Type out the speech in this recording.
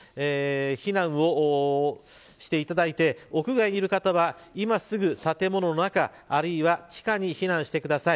避難をしていただいて屋外にいる方は今すぐ建物の中、あるいは地下に避難してください。